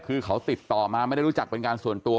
คือเขาติดต่อมาไม่ได้รู้จักเป็นการส่วนตัว